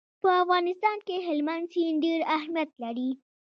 په افغانستان کې هلمند سیند ډېر اهمیت لري.